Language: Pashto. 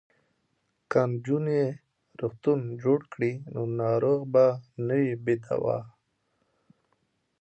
که نجونې روغتون جوړ کړي نو ناروغ به نه وي بې دواه.